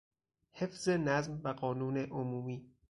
حفظ نظم و قانون عمومی